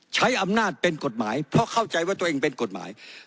ใช้อำนาจเป็นกฎหมายเพราะเข้าใจว่าตัวเองเป็นกฎหมาย